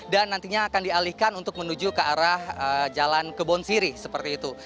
dan nantinya akan dialihkan untuk menuju ke arah jalan kebon siri seperti itu